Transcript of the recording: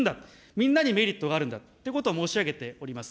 みんなにメリットがあるんだということを申し上げております。